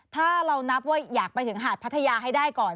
ถ้าเรานับว่าอยากไปถึงหาดพัทยาให้ได้ก่อน